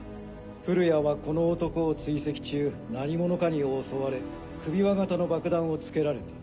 降谷はこの男を追跡中何者かに襲われ首輪型の爆弾をつけられた。